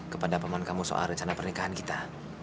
kepada paman kamu soal rencana pernikahan kita